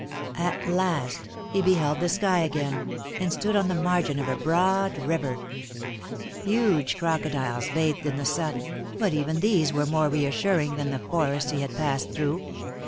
At last, he beheld the sky again, and stood on the margin of a broad river ; huge crocodiles bathed in the sun, but even these were more reassuring than the forests he had passed through.